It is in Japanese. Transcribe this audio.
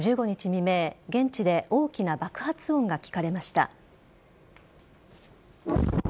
未明、現地で大きな爆発音が聞かれました。